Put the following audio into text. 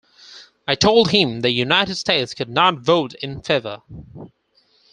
I told him the United States could not vote in favor.